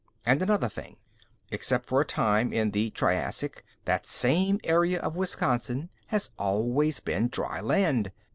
"And another thing: Except for a time in the Triassic, that same area of Wisconsin has always been dry land.